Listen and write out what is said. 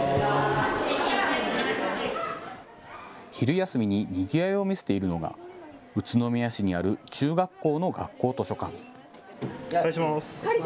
昼休みににぎわいを見せているのが宇都宮市にある中学校の学校図書館。